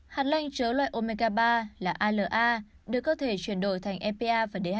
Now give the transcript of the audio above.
hạt lanh chứa loại omega ba là ala được cơ thể chuyển đổi thành epa và dha